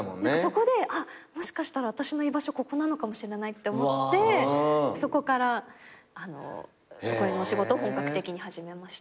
そこでもしかしたら私の居場所ここなのかもしれないって思ってそこから声のお仕事を本格的に始めました。